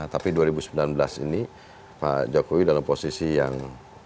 tapi dua ribu sembilan belas ini pak jokowi dalam posisi yang